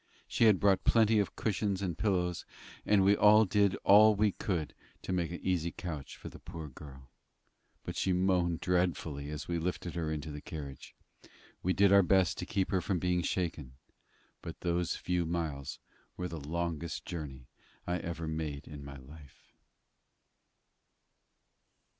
She had brought plenty of cushions and pillows, and we did all we could to make an easy couch for the poor girl; but she moaned dreadfully as we lifted her into the carriage. We did our best to keep her from being shaken; but those few miles were the longest journey I ever made in my life.